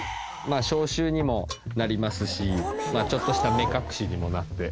消臭にもなりますしちょっとした目隠しにもなって。